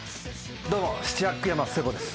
どうも。